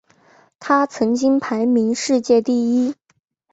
他曾经排名世界第一位。